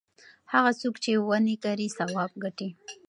هغه څوک چې ونې کري ثواب ګټي.